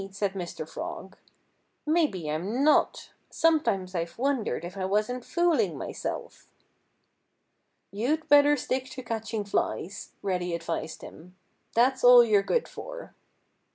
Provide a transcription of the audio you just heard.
said Mr. Frog. "Maybe I'm not. Sometimes I've wondered if I wasn't fooling myself." "You'd better stick to catching flies," Reddy advised him. "That's all you're good for."